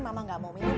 mama gak mau minum